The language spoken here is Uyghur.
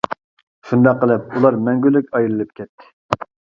شۇنداق قىلىپ ئۇلار مەڭگۈلۈك ئايرىلىپ كەتتى.